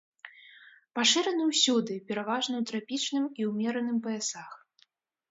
Пашыраны ўсюды, пераважна ў трапічным і ўмераным паясах.